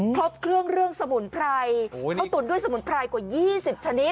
ครบเครื่องเรื่องสมุนไพรเขาตุ๋นด้วยสมุนไพรกว่า๒๐ชนิด